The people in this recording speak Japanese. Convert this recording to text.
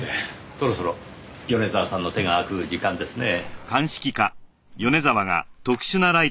そろそろ米沢さんの手が空く時間ですねぇ。